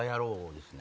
ですね。